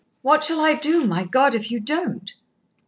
What shall I do, my God, if you don't?"